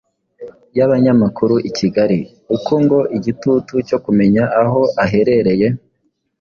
y'abanyamakuru i Kigali.Uko ngo igitutu cyo kumenya aho aherereye